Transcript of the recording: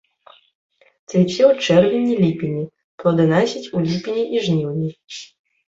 Цвіце ў чэрвені-ліпені, плоданасіць у ліпені і жніўні.